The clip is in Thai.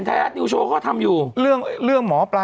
อายุคุณร้องเล็ก